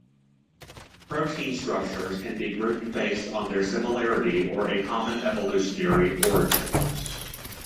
Protein structures can be grouped based on their similarity or a common evolutionary origin.